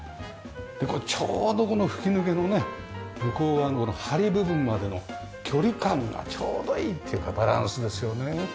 ちょうどこの吹き抜けのね向こう側の梁部分までの距離感がちょうどいいっていうかバランスですよね。